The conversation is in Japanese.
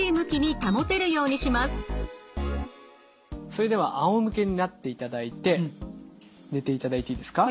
それではあおむけになっていただいて寝ていただいていいですか？